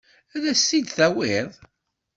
Ad as-t-id-tawiḍ?